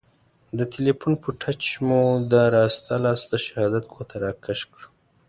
د تیلیفون په ټچ مې د راسته لاس د شهادت ګوته را کش کړه.